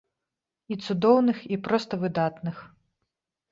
І цудоўных, і проста выдатных.